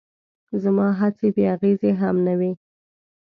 زما هڅې بې اغېزې هم نه وې.